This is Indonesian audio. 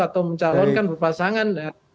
atau mencalonkan berpasangan